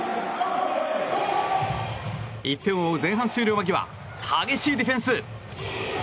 １点を追う前半終了間際激しいディフェンス！